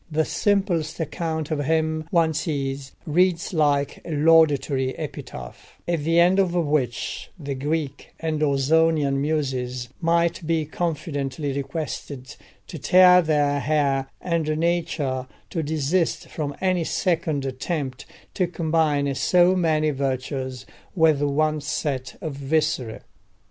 The simplest account of him, one sees, reads like a laudatory epitaph, at the end of which the Greek and Ausonian Muses might be confidently requested to tear their hair, and Nature to desist from any second attempt to combine so many virtues with one set of viscera.